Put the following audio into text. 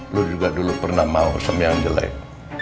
lu juga dulu pernah mau semi yang jelek